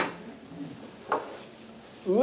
うわ！